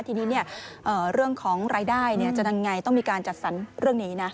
ทีนี้เรื่องของรายได้จะทำไงต้องมีการจัดสรรเรื่องนี้นะ